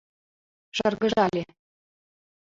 Шыргыжале.